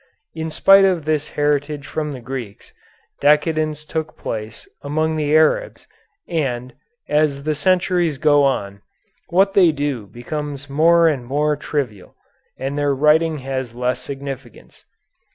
In spite of this heritage from the Greeks, decadence took place among the Arabs, and, as the centuries go on, what they do becomes more and more trivial, and their writing has less significance.